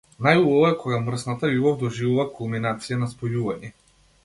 Најубаво е кога мрсната љубов доживува кулминација на спојување.